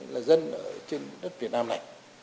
là dân ở trên đất việt nam này